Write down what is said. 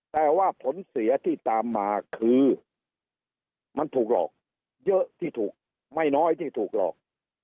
แต่ว่าผลเสียที่ตามมาคือมันถูกหลอกเยอะที่ถูกไม่น้อยที่ถูกหลอก